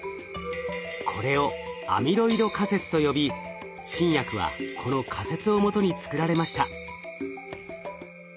これを「アミロイド仮説」と呼び新薬はこの仮説をもとに作られました。